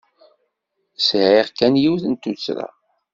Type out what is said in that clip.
Sɛiɣ kan yiwet n tuttra.